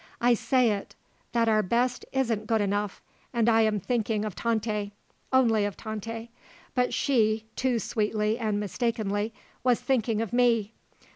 I say it; that our best isn't good enough, and I am thinking of Tante; only of Tante; but she too sweetly and mistakenly was thinking of me.